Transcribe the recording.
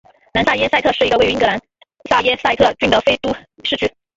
南萨默塞特是一个位于英格兰萨默塞特郡的非都市区。